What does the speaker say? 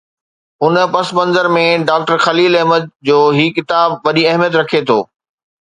ان پس منظر ۾ ڊاڪٽر خليل احمد جو هي ڪتاب وڏي اهميت رکي ٿو.